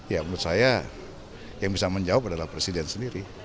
ya menurut saya yang bisa menjawab adalah presiden sendiri